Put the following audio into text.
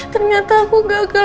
ternyata aku gagal